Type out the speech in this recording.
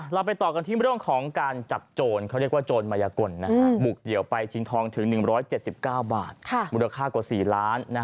เราไปต่อกันที่เรื่องของการจับโจรเขาเรียกว่าโจรมายกลบุกเดี่ยวไปชิงทองถึง๑๗๙บาทมูลค่ากว่า๔ล้าน